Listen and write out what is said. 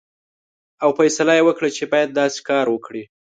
او فیصله یې وکړه چې باید داسې کار وکړي.